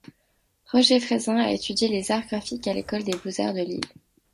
Roger Frezin a étudié les arts graphiques à l'école des Beaux-Arts de Lille.